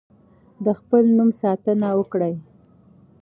د خپل نوم ساتنه وکړئ.